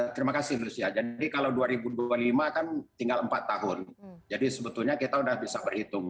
terima kasih lucia jadi kalau dua ribu dua puluh lima kan tinggal empat tahun jadi sebetulnya kita sudah bisa berhitung